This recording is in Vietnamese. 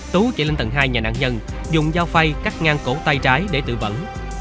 tú chạy lên tầng hai nhà nạn nhân dùng dao phay cắt ngang cổ tay trái để tự vẫn